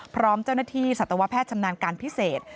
พร้อมเจ้าหน้าที่สัตวแพทย์ชำนาญการพิเศษ